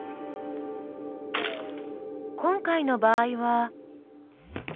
今回の場合は。